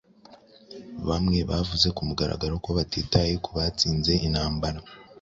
Bamwe bavuze kumugaragaro ko batitaye kubatsinze intambara.